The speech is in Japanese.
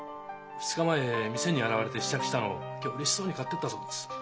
２日前店に現れて試着したのを今日うれしそうに買ってったそうです。